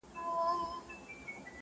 o چيټ که د بل دئ، بدن خو دي خپل دئ!